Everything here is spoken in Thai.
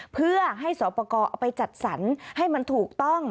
เพื่อให้สวปกรณ์เอาไปจัดสรรให้มันถูกต้อน